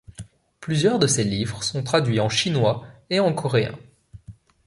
Plusieurs de ses livres sont traduits en chinois et en coréen.